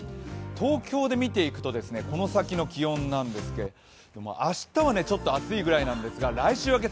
東京で見ていくとこの先の気温なんですが、明日はちょっと暑いぐらいなんですが来週明け